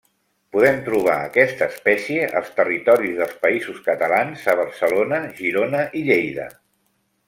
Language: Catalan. Podem trobar aquesta espècie als territoris dels Països Catalans a Barcelona, Girona i Lleida.